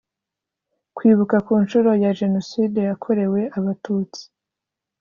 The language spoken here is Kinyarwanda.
Kwibuka ku nshuro ya Jenoside yakorewe Abatutsi